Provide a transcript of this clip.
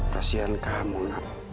kasian kamu nak